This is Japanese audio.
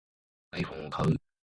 iPhone を買う